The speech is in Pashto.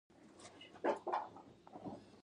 د جنسي ستونزې لپاره باید څه وکړم؟